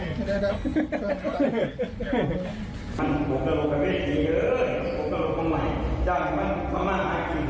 อุ้ยอุ้ยอุ้ย